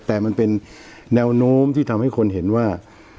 แต่มันเป็นแนวโน้มที่ทำให้คนเห็นว่า